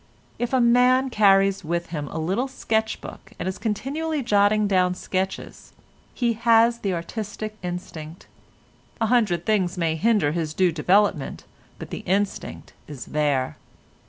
If a man carries with him a little sketch book and is continually jotting down sketches, he has the artistic instinct; a hundred things may hinder his due development, but the instinct is there.